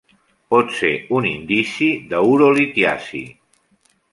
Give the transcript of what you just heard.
Pot ser un indici de urolitiasi.